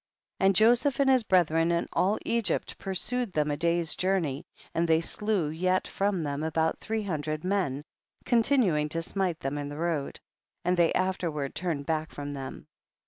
And Joseph and his brethren and all Egypt pursued them a day's journey, and they slew yet from them about three hundred men, con tinuing to smite them in the road ; and they afterward turned back from them.